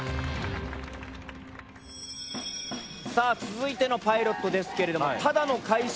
さあ続いてのパイロットですけれども。